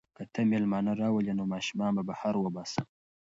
که ته مېلمانه راولې نو ماشومان به بهر وباسم.